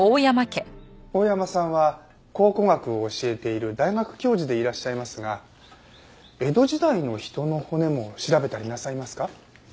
大山さんは考古学を教えている大学教授でいらっしゃいますが江戸時代の人の骨も調べたりなさいますか？